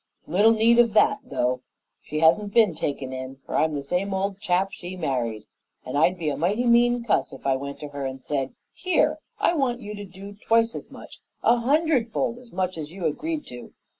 Little need of that, though. She hasn't been taken in, for I'm the same old chap she married, and I'd be a mighty mean cuss if I went to her and said, 'Here, I want you to do twice as much, a hundred fold as much as you agreed to.'